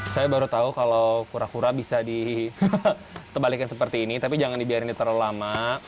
saya baru tahu kalau kura kura bisa ditebalikin seperti ini tapi jangan dibiarin terlalu lama